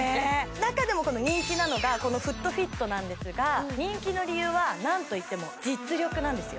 中でもこの人気なのがＦｏｏｔＦｉｔなんですが人気の理由はなんといっても実力なんですよ